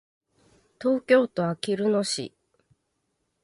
東京都あきる野市